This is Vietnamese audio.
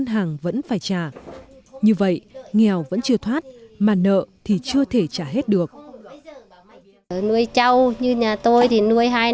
trị lợi nông thị lợi